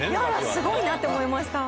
すごいなって思いました。